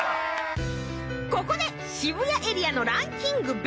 ここで渋谷エリアのランキング